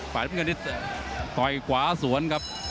ฝ่ายน้ำเงินนี่ต่อยกวาสวนครับ